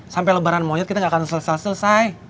sampai lebaran monyet kita gak akan selesai selesai